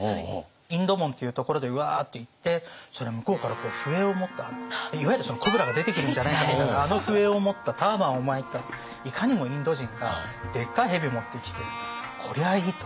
インド門っていうところでうわっと行ってそれで向こうから笛を持ったいわゆるそのコブラが出てくるんじゃないかというようなあの笛を持ったターバンを巻いたいかにもインド人がでっかい蛇を持ってきてこりゃあいいと。